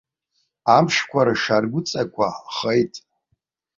Амшқәа ршьаргәыҵақәа хеит.